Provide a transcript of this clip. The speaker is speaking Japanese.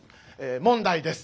問題です。